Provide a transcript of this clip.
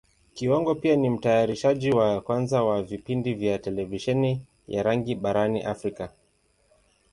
Kiwango pia ni Mtayarishaji wa kwanza wa vipindi vya Televisheni ya rangi barani Africa.